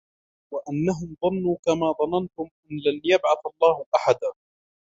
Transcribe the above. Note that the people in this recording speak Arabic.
وَأَنَّهُمْ ظَنُّوا كَمَا ظَنَنْتُمْ أَنْ لَنْ يَبْعَثَ اللَّهُ أَحَدًا